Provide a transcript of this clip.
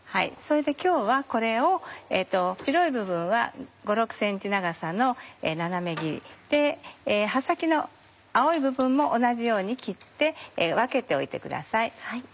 それで今日はこれを白い部分は５６ｃｍ長さの斜め切りで葉先の青い部分も同じように切って分けておいてください。